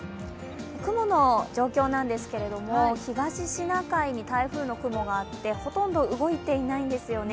雲の状況なんですが、東シナ海に台風の雲があってほとんど動いていないんですよね。